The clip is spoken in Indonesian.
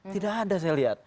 tidak ada saya lihat